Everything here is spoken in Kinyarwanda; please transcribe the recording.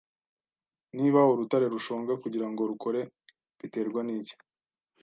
Niba urutare rushonga kugirango rukore biterwa niki